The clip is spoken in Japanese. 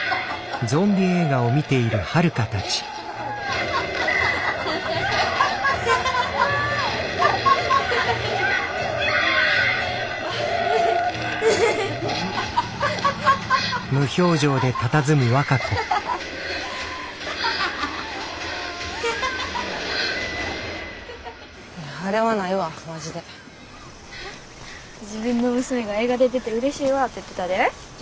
自分の娘が映画出ててうれしいわって言うてたでじいちゃんも。